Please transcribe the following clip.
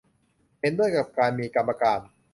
เห็นด้วยกับการมีกรรมการ